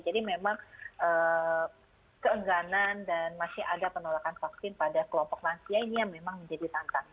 jadi memang keengganan dan masih ada penolakan vaksin pada kelompok lansia ini yang memang menjadi